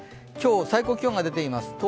今日最高気温が出ています